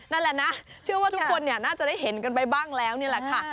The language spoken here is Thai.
นั่นแหละนะเชื่อว่าทุกคนน่าจะได้เห็นกันไปบ้างแล้วนี่แหละค่ะ